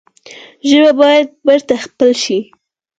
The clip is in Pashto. ژبه باید بېرته خپل شي.